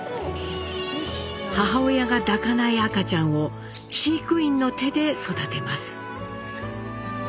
母親が抱かない赤ちゃんを飼育員の手で育てます。